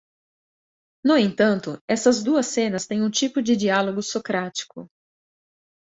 No entanto, essas duas cenas têm um tipo de diálogo socrático.